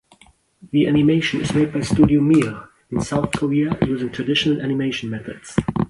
The animation is made by Studio Mir in South Korea using traditional animation methods.